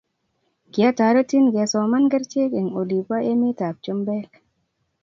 Kiataretin kesoman kerchek eng olipa emet ab chumbek